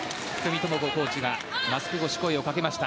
コーチがマスク越しに声をかけました。